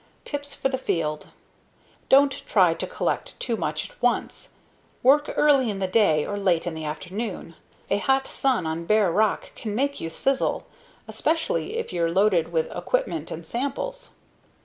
Tips For The Field Don't try to collect too much at once. Work early in the day or late in the afternoon. A hot sun on bare rock can make you sizzle especially if you're loaded with equipment and samples.